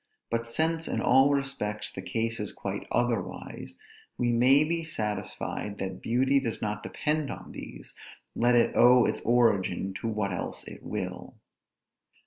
But since, in all respects, the case is quite otherwise; we may be satisfied that beauty does not depend on these, let it owe its origin to what else it will.